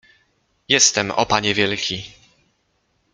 — Jestem, o panie wielki.